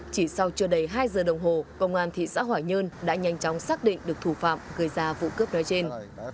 chỉ sau chưa đầy hai giờ đồng hồ công an thị xã hoài nhơn đã nhanh chóng xác định được thủ phạm gây ra vụ cướp nói trên